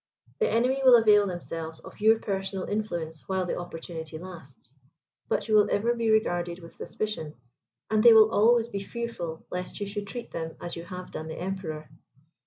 The enemy will avail themselves of your personal influence, while the opportunity lasts; but you will ever be regarded with suspicion, and they will always be fearful lest you should treat them as you have done the Emperor.